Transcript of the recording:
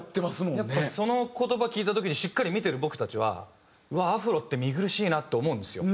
やっぱその言葉聞いた時にしっかり見てる僕たちはうわっアフロって見苦しいなって思うんですよ。